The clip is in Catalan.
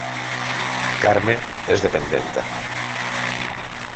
Carme és dependenta